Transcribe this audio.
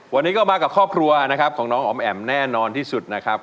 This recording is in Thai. วันนี้ก็มากับครอบครัวนะครับของน้องอ๋อมแอ๋มแน่นอนที่สุดนะครับ